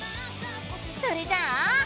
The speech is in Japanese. それじゃあ！